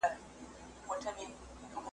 پر مزار به مي څراغ د میني بل وي ,